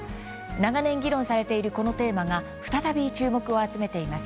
長年、議論されているこのテーマが再び注目を集めています。